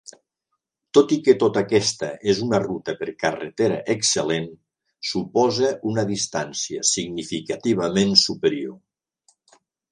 Tot i que tota aquesta és una ruta per carretera excel·lent, suposa una distància significativament superior.